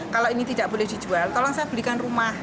kalau ini tidak boleh dijual tolong saya belikan rumah